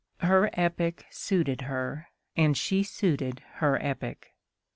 Her epoch suited her, and she suited her epoch.